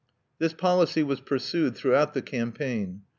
This policy was pursued throughout the campaign.